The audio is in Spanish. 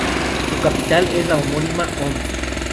Su capital es la homónima Omsk.